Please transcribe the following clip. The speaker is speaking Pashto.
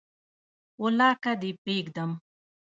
ولاکه دي پریږدم